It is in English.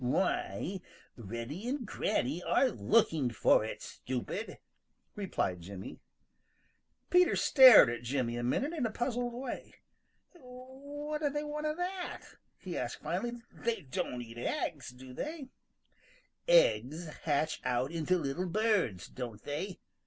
"Why, Reddy and Granny are looking for it, stupid," replied Jimmy. Peter stared at Jimmy a minute in a puzzled way. "What do they want of that?" he asked finally. "They don't eat eggs, do they?" "Eggs hatch out into little birds, don't they?"